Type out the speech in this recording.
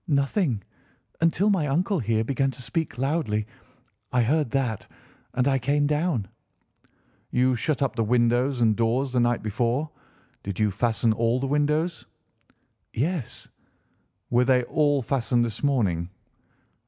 "Nothing, until my uncle here began to speak loudly. I heard that, and I came down." "You shut up the windows and doors the night before. Did you fasten all the windows?" "Yes." "Were they all fastened this morning?"